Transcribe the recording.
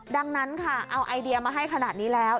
ดังนั้นค่ะเอาไอเดียมาให้ขนาดนี้แล้ว